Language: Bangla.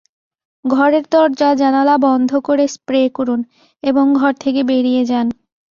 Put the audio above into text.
ঘরের দরজা জানালা বন্ধ করে স্প্রে করুন এবং ঘর থেকে বেরিয়ে যান।